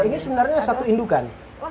ini sebenarnya satu indukan